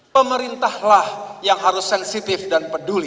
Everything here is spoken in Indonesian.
pemerintahlah yang harus sensitif dan peduli